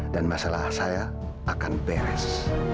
masalah saya akan beres